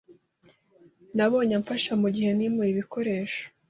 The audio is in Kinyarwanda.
Nabonye amfasha mugihe nimuye ibikoresho.